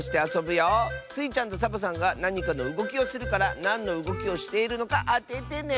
スイちゃんとサボさんがなにかのうごきをするからなんのうごきをしているのかあててね！